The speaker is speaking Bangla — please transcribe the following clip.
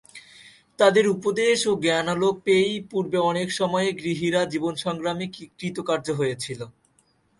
তাদের উপদেশ ও জ্ঞানালোক পেয়েই পূর্বে অনেক সময়ে গৃহীরা জীবনসংগ্রামে কৃতকার্য হয়েছিল।